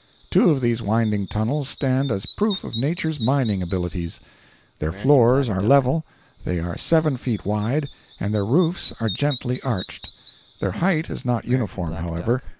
Two of these winding tunnels stand as proof of Nature's mining abilities. Their floors are level, they are seven feet wide, and their roofs are gently arched. Their height is not uniform, however.